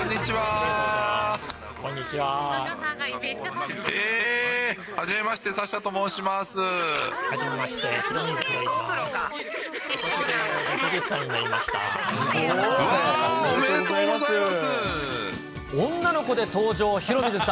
わー、おめでとうございます。